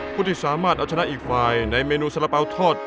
ผู้ที่สามารถเอาชนะอีกฝ่ายในเมนูสาระเป๋าทอด